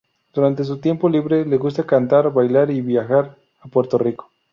Durante su tiempo libre le gusta cantar, bailar y viajar a Puerto Rico.